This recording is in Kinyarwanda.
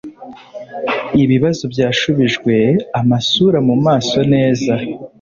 ibibazo byashubijwe, amasura mumaso neza